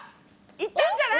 いったんじゃない？